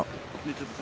ちょっとさ